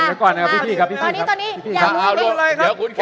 บ๊วยบ๊วยพี่พี่ครับพี่พี่ครับพี่พี่ครับว่าอะไรครับคือ